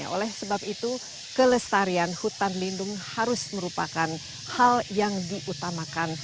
oleh sebab itu kelestarian hutan lindung harus merupakan hal yang diutamakan